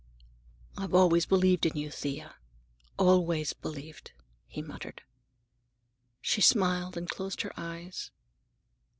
"I've always believed in you, Thea; always believed," he muttered. She smiled and closed her eyes.